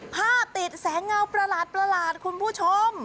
ภาพติดแสงเงาประหลาดคุณผู้ชม